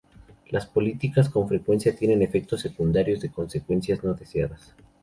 Las políticas con frecuencia tienen efectos secundarios de consecuencias no deseadas.